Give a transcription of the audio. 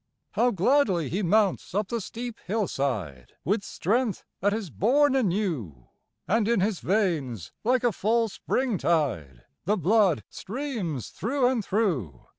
How gladly he mounts up the steep hillside, With strength that is born anew, And in his veins, like a full springtide, The blood streams through and through.